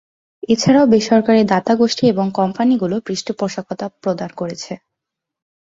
এছাড়াও বেসরকারি দাতাগোষ্ঠী এবং কোম্পানিগুলি পৃষ্ঠপোষকতা প্রদান করেছে।